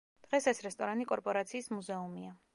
დღეს ეს რესტორანი კორპორაციის მუზეუმია.